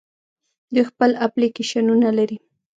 دوی خپل اپلیکیشنونه لري.